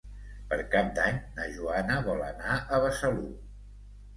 Per Cap d'Any na Joana vol anar a Besalú.